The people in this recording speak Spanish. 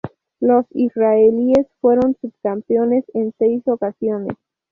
Los israelíes fueron subcampeones en seis ocasiones.